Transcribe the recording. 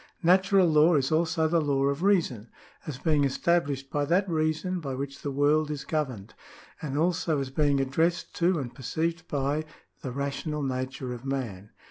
Natural law is also the Law of Reason, as being established by that Reason by which the world is governed, and also as being addressed to and perceived by the rational nature of man.